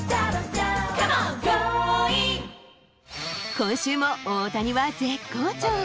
今週も大谷は絶好調。